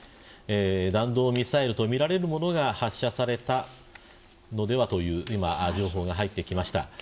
弾道ミサイルとみられるものが発射されたのではという情報が入ってきました。